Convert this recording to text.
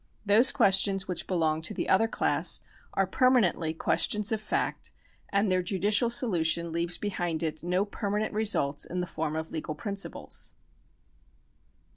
Those questions which belong to the other class are permanently questions of fact, and their judicial solution leaves behind it no permanent results in the form of legal principles.